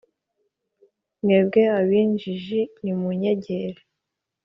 Mwebwe ab’injiji, nimunyegere,